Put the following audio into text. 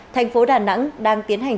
tp đà nẵng đang tiến hành